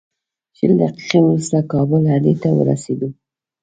شل دقیقې وروسته کابل اډې ته ورسېدو.